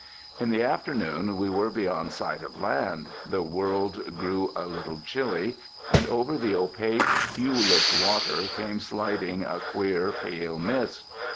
In the afternoon we were beyond sight of land. The world grew a little chilly; and over the opaque, hueless water came sliding a queer, pale mist.